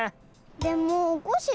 でもおこっしぃ